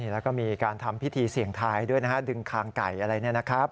แล้วก็มีการทำพิธีเสี่ยงทายด้วยนะฮะดึงคางไก่อะไรเนี่ยนะครับ